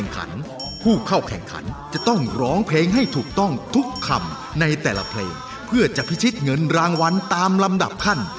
ก็พาวนาให้ลูกกลับมาหาหลานเร็ว